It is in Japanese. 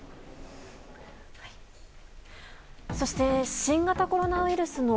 そして、新型コロナウイルスの